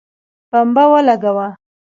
بمبه ولګوه